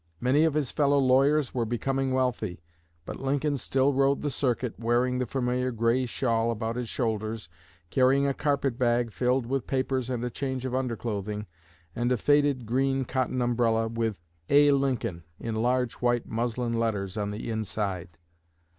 Many of his fellow lawyers were becoming wealthy, but Lincoln still rode the circuit wearing the familiar gray shawl about his shoulders, carrying a carpet bag filled with papers and a change of underclothing, and a faded, green cotton umbrella with "A. Lincoln" in large white muslin letters on the inside.